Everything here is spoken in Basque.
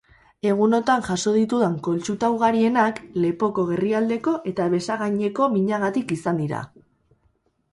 Egunotan jaso ditudan kontsulta ugarienak lepoko, gerrialdeko eta besagainetako minagatik izan dira.